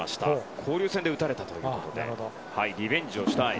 交流戦で打たれたのでリベンジをしたいと。